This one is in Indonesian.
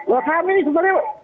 wah kami sebenarnya